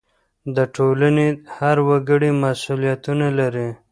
د ټولنې هر وګړی مسؤلیتونه لري.